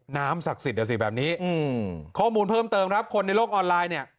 ศักดิ์สิทธิอ่ะสิแบบนี้อืมข้อมูลเพิ่มเติมครับคนในโลกออนไลน์เนี่ย